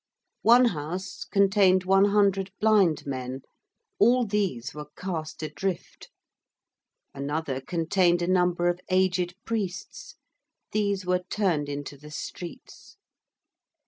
One House contained one hundred blind men, all these were cast adrift; another contained a number of aged priests these were turned into the streets.